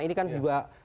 ini kan juga